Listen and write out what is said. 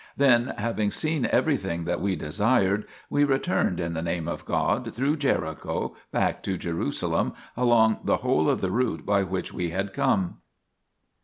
Then, having seen everything that we desired, we returned in the Name of God through Jericho back to Jerusalem along the whole of the route by which we had come.